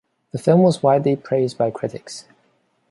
The film was widely praised by critics.